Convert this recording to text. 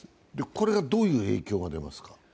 これはどういう影響が出ますか？